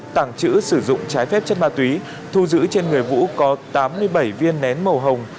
tàng trữ sử dụng trái phép chất ma túy thu giữ trên người vũ có tám mươi bảy viên nén màu hồng